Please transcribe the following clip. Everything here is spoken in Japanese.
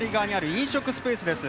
飲食スペースです。